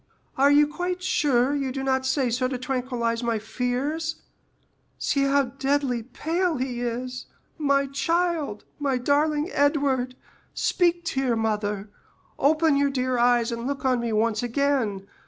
"Are you quite sure you do not say so to tranquillize my fears? See how deadly pale he is! My child, my darling Edward; speak to your mother—open your dear eyes and look on me once again!